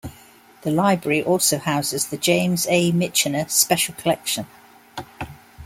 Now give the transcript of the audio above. The Library also houses the James A. Michener Special Collection.